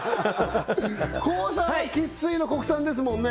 ＫＯＯさんは生っ粋の国産ですもんね